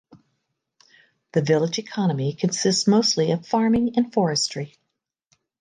The village economy consists mostly of farming and forestry.